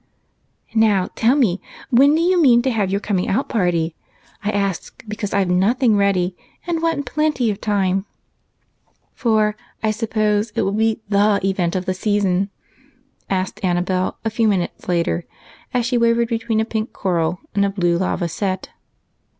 "Now tell me, when do you mean to have your coming out party? I ask because I've nothing ready and want plenty of time, for I suppose it will be the event of the season," asked Annabel a few minutes later as she wavered between a pink coral and a blue lava set.